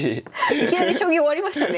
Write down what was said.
いきなり将棋終わりましたね。